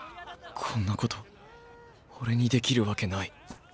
こんなこと俺にできるわけない。